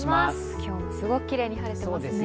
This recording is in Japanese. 今日もすごくキレイに晴れていますね。